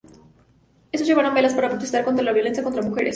Ellas llevaron velas para protestar contra la violencia contra mujeres.